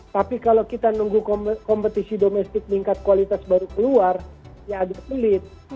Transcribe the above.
tapi kalau kita nunggu kompetisi domestik meningkat kualitas baru keluar ya agak sulit